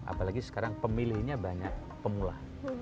apalagi sekarang pemilihnya banyak pemula